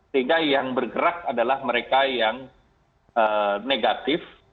sehingga yang bergerak adalah mereka yang negatif